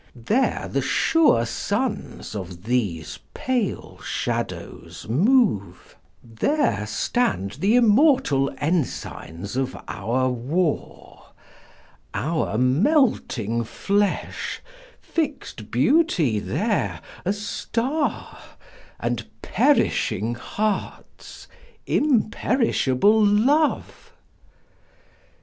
There the sure suns of these pale shadows move; There stand the immortal ensigns of our war; Our melting flesh fixed Beauty there, a star, And perishing hearts, imperishable Love.